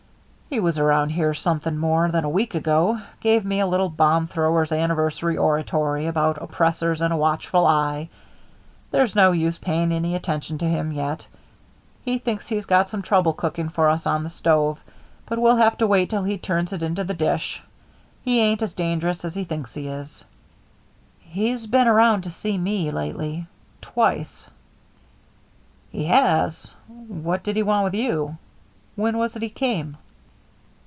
"He was around here something more than a week ago; gave me a little bombthrowers' anniversary oratory about oppressors and a watchful eye. There's no use paying any attention to him yet. He thinks he's got some trouble cooking for us on the stove, but we'll have to wait till he turns it into the dish. He ain't as dangerous as he thinks he is." "He's been around to see me lately twice." "He has! What did he want with you? When was it he came?"